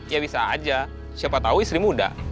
ya bisa aja siapa tahu istri muda